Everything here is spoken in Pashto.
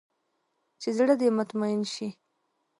چې زړه دې مطمين سي.